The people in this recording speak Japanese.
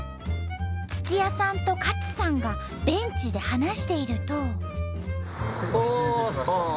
土谷さんと勝さんがベンチで話していると。